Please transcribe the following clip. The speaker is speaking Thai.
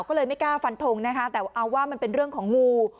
ก็เลยไม่กล้าฟันทงนะคะแต่เอาว่ามันเป็นเรื่องของงู